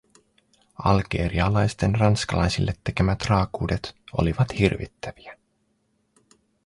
Algerialaisten ranskalaisille tekemät raakuudet olivat hirvittäviä.